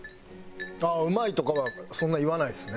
ああ「うまい」とかはそんな言わないですね。